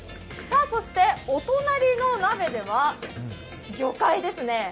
そして、お隣の鍋では魚介です。